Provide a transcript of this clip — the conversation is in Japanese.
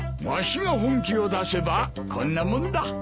わしが本気を出せばこんなもんだ。